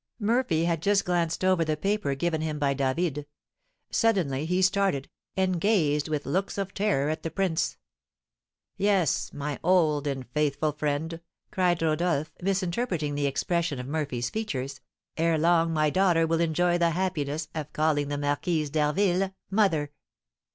Murphy had just glanced over the paper given him by David; suddenly he started, and gazed with looks of terror at the prince. "Yes, my old and faithful friend," cried Rodolph, misinterpreting the expression of Murphy's features, "ere long my daughter will enjoy the happiness of calling the Marquise d'Harville mother."